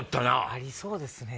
ありそうですね。